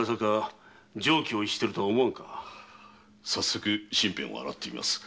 早速身辺を洗ってみます。